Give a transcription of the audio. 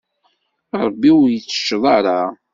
Ṛebbi ur yettecceḍ ara.